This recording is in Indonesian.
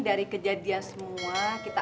dari kejadian semua kita